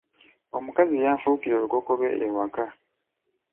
Omukazi yanfuukira olukokobe ewaka.